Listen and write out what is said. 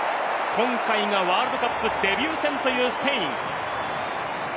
今回がワールドカップデビュー戦というステイン。